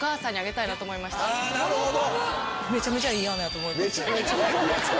なるほど！